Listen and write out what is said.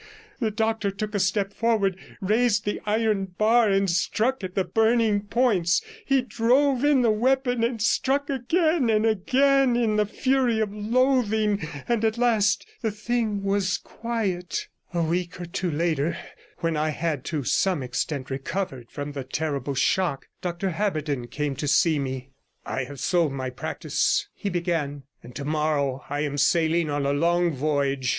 The doctor took a step forward, raised the iron bar and struck at the burning points; he drove in the weapon, and struck again and again in the fury of loathing. At last the thing was quiet. A week or two later, when I had to some extent recovered from the terrible shock, Dr Haberden came to see me. 'I have sold my practice,' he began, 'and tomorrow I am sailing on a long voyage.